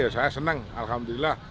saya senang alhamdulillah